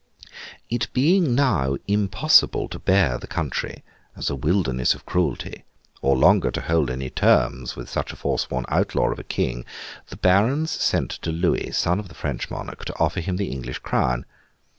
It being now impossible to bear the country, as a wilderness of cruelty, or longer to hold any terms with such a forsworn outlaw of a King, the Barons sent to Louis, son of the French monarch, to offer him the English crown.